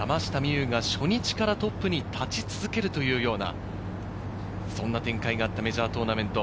有が初日からトップに立ち続けるというような、そんな展開があったメジャートーナメント。